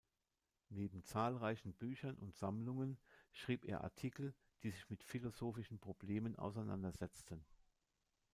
Neben zahlreichen Büchern und Sammlungen, schrieb er Artikel, die sich mit philosophischen Problemen auseinandersetzten.